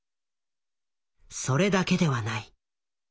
それだけではない。